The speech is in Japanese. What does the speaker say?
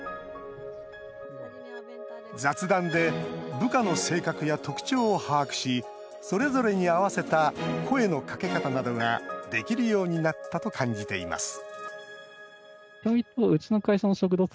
雑談で部下の性格や特徴を把握しそれぞれに合わせた声のかけ方などができるようになったと感じています